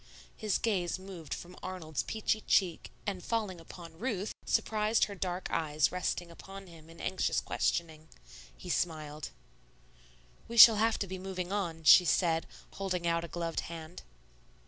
His gaze moved from Arnold's peachy cheek, and falling upon Ruth, surprised her dark eyes resting upon him in anxious questioning. He smiled. "We shall have to be moving on," she said, holding out a gloved hand.